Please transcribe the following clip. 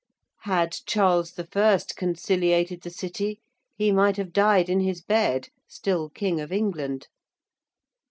Had Charles I. conciliated the City he might have died in his bed, still King of England.